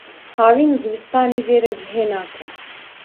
havîn û zivistanê jê re cihê nake.